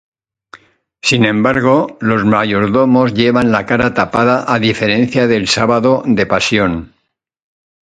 Sin embargo, los mayordomos llevan la cara tapada a diferencia del Sábado de Pasión.